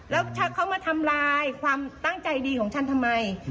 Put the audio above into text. แล้วถ้าเขามาทำลายความตั้งใจดีของฉันทำไม